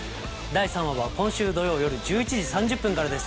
第３話は今週土曜よる１１時３０分からです。